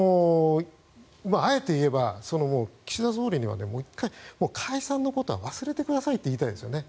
あえて言えば岸田総理には１回、解散のことは忘れてくださいって言いたいですね。